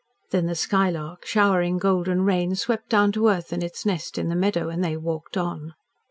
Then the skylark, showering golden rain, swept down to earth and its nest in the meadow, and they walked on.